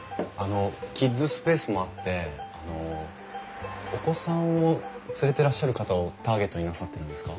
キッズスペースもあってお子さんを連れてらっしゃる方をターゲットになさってるんですか？